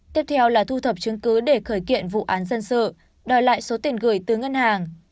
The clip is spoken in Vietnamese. tiếp theo là thu thập chứng cứ để khởi kiện vụ án dân sự đòi lại số tiền gửi từ ngân hàng